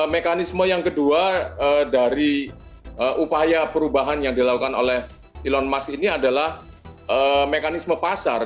mekanisme yang kedua dari upaya perubahan yang dilakukan oleh elon musk ini adalah mekanisme pasar